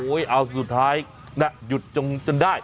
โอ้โฮเอาสุดท้ายหยุดจนได้